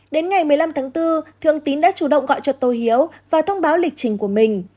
đến ngày một mươi năm tháng bốn thượng tín đã chủ động gọi cho tô hiếu và thông báo lịch trình của mình